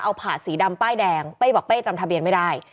เอาผาดสีดำป้ายแดงเป้บอกเป้จำทะเบียนไม่ได้